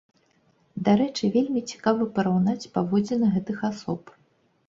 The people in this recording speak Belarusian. Дарэчы, вельмі цікава параўнаць паводзіны гэтых асоб.